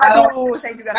saya juga gak mau periksa